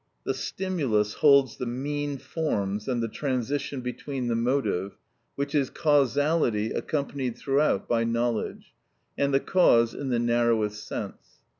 The stimulus holds the mean, forms the transition between the motive, which is causality accompanied throughout by knowledge, and the cause in the narrowest sense.